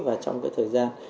và trong cái thời gian